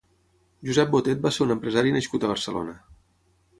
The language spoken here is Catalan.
Josep Botet va ser un empresari nascut a Barcelona.